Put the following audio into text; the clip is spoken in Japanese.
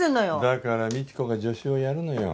だから未知子が助手をやるのよ。